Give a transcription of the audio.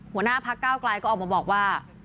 หัวหน้าพักเก้าไกลก็ออกมาบอกว่า